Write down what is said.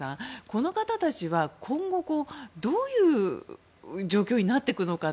この方たちは、今後どういう状況になっていくのか。